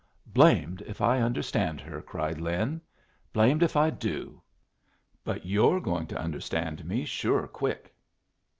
"Blamed if I understand her," cried Lin. "Blamed if I do. But you're going to understand me sure quick!"